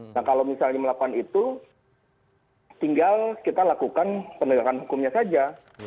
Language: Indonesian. nah kalau misalnya melakukan itu tinggal kita lakukan penegakan hukumnya saja